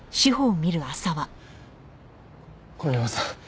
小宮山さん